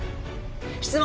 質問